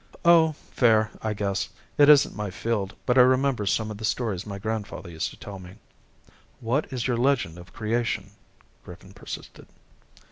"Oh, fair, I guess. It isn't my field but I remember some of the stories my grandfather used to tell me." "What is your legend of creation?" Griffin persisted.